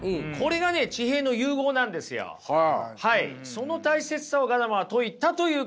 その大切さをガダマーは説いたということです。